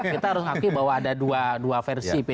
kita harus akui bahwa ada dua versi p tiga